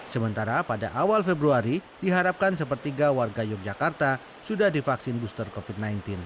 sementara pada awal februari diharapkan sepertiga warga yogyakarta sudah divaksin booster covid sembilan belas